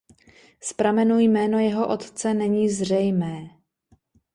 Z pramenů jméno jeho otce není zřejmé.